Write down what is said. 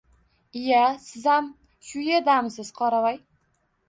Iya, sizam shu yerdamisiz, qoravoy!